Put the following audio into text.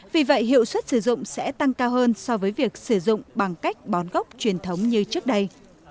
vì vậy hiệu suất sử dụng sẽ tăng cao hơn so với việc sử dụng bằng cách bón gốc truyền thống như trước đây